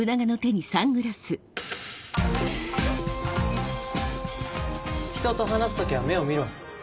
何⁉人と話す時は目を見ろ。